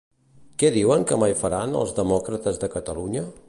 Què diuen que mai faran els Demòcrates de Catalunya?